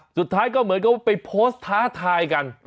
สุดท้ายก็เหมือนกับว่าไปโพสต์ท้าทายกัน